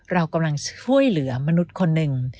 เรากำลังช่วยเหลือมนุษย์คนหนึ่ง